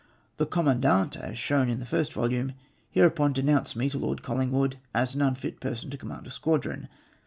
The commandant, as shown in the first volume, hereupon denounced me to Lord ColHng wood as an unfit person to command a squadron.